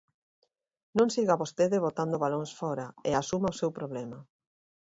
Non siga vostede botando balóns fóra e asuma o seu problema.